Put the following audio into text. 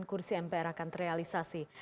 kursi mpr akan terrealisasi